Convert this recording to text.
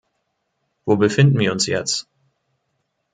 Wo befinden wir uns jetzt?